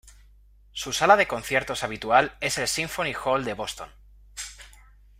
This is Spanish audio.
Su sala de conciertos habitual es el Symphony Hall de Boston.